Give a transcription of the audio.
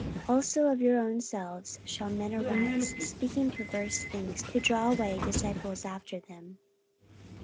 44:020:030 Also of your own selves shall men arise, speaking perverse things, to draw away disciples after them.